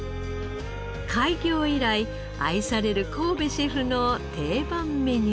開業以来愛される神戸シェフの定番メニューです。